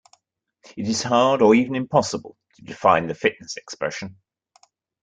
It is hard or even impossible to define the fitness expression.